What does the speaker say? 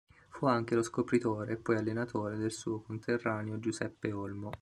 Fu anche lo scopritore e poi allenatore del suo conterraneo Giuseppe Olmo.